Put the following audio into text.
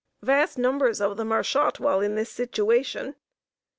Vast numbers of them are shot while in this situation.